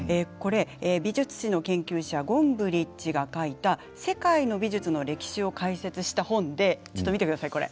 これ美術史の研究者ゴンブリッチが書いた世界の美術の歴史を解説した本でちょっと見てください